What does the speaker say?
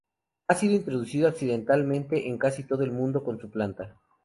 Ha sido introducido accidentalmente en casi todo el mundo con su planta.